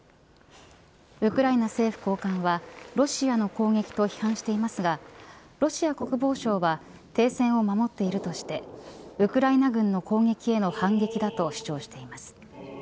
ウクライナ政府高官はロシアの攻撃と批判していますがロシア国防省は停戦を守っているとしてウクライナ軍の攻撃への反撃だと主張しています。